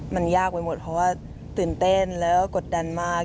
มันยากไปหมดเพราะว่าตื่นเต้นแล้วก็กดดันมาก